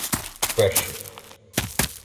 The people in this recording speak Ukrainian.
Перших